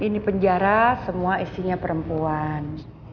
di penjara semua isinya perempuan